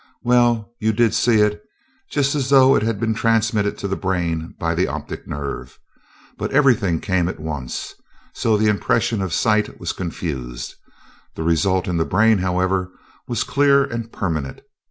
Well, you did see it, just as though it had been transmitted to the brain by the optic nerve, but everything came at once, so the impression of sight was confused. The result in the brain, however, was clear and permanent.